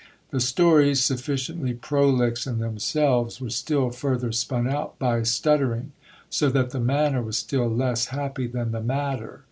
The stories, sufficiently prolix in themselves, were still further spun out by stutter ing ; so that the manner was still less happy than the matter.